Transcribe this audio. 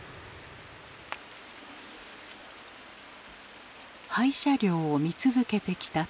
廃車両を見続けてきた友さん。